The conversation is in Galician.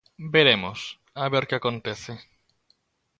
Veremos a ver que acontece.